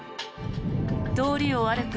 通りを歩く